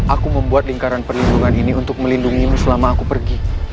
aku membuat lingkaran perlindungan ini untuk melindungimu selama aku pergi